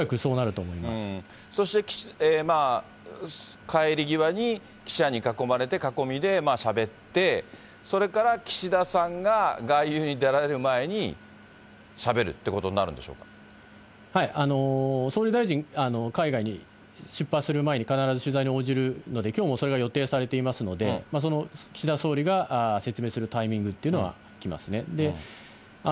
そして、帰り際に記者に囲まれて、囲みでしゃべって、それから岸田さんが外遊に出られる前にしゃべるってことになるん総理大臣、海外に出発する前に必ず取材に応じるので、きょうもそれが予定されていますので、その岸田総理が説明するタイミングっていうのは来ますね。